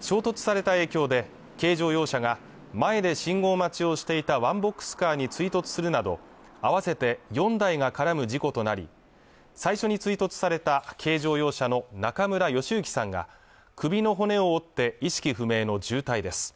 衝突された影響で軽乗用車が前で信号待ちをしていたワンボックスカーに追突するなど合わせて４台が絡む事故となり最初に追突された軽乗用車の中村喜之さんが首の骨を折って意識不明の重体です